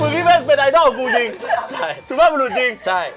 มึกที่เพ่งเป็นไอดอลของกูจริงฉูบภาลบุรุษจริงใช่